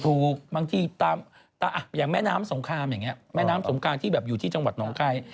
บางทีตามอย่างแม่น้ำสงครามอย่างนี้แม่น้ำสงครามที่แบบอยู่ที่จังหวัดหนองคาย